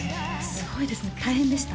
すごいですね大変でした？